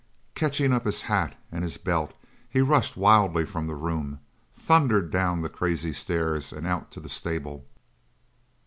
Catching up his hat and his belt he rushed wildly from the room, thundered down the crazy stairs, and out to the stable.